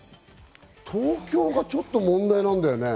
東京がちょっと問題なんだよね。